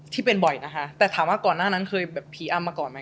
ที่เป็นบ่อยนะคะแต่ถามว่าก่อนหน้านั้นเคยแบบผีอำมาก่อนไหม